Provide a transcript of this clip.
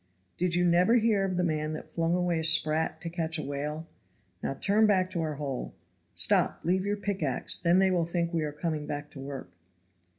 "Did you never hear of the man that flung away a sprat to catch a whale? Now turn back to our hole. Stop, leave your pickax, then they will think we are coming back to work."